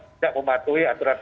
tidak mematuhi aturan